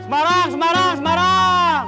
semarang semarang semarang